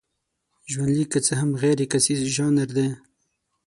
ژوندلیک که څه هم غیرکیسیز ژانر دی.